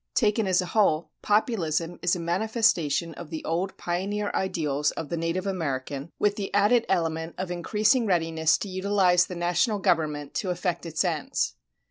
Taken as a whole, Populism is a manifestation of the old pioneer ideals of the native American, with the added element of increasing readiness to utilize the national government to effect its ends.